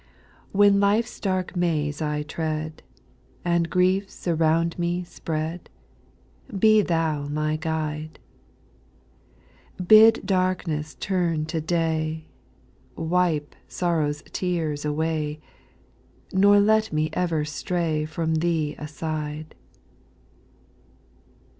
8. When life's dark maze I tread. And griefs around me spread, Be Thou my guide ; Bid darkness turn to day, Wipe sorrow's tears away. Nor let me ever stray From Thee aside.